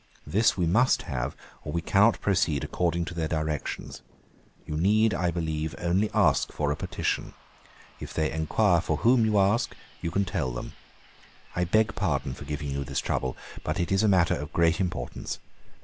This we must have, or we cannot proceed according to their directions. You need, I believe, only ask for a petition; if they enquire for whom you ask, you can tell them. 'I beg pardon for giving you this trouble; but it is a matter of great importance.